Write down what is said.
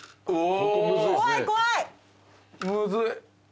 ・むずい。